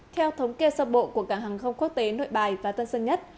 theo thống kê sơ bộ của cảng hàng không quốc tế nội bài và tân sơn nhất